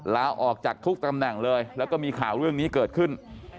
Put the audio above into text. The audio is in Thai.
ลาออกจากทุกตำแหน่งเลยแล้วก็มีข่าวเรื่องนี้เกิดขึ้น